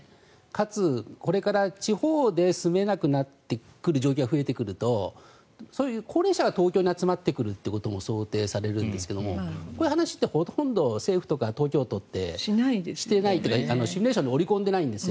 かつ、これから地方で住めなくなってくる状況が増えてくるとそういう高齢者が東京に集まってくるという想定もされるんですがこういう話ってほとんど政府とか東京都ってしてないというかシミュレーションに織り込んでないんです。